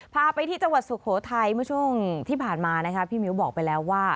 พาไปที่จังหวัดสุโขทัยเมื่อช่วงที่ผ่านมานะคะพี่มิ้วบอกไปแล้วว่า